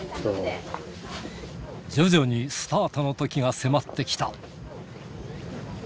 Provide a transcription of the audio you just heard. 徐々にスタートのときが迫ってきた。